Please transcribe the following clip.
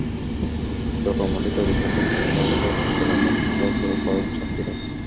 চিত্রকর্মটি তৈরির জন্য গ্রীষ্মকাল থেকে বোতলের মুখ সংগ্রহ শুরু করেন ছাত্রীরা।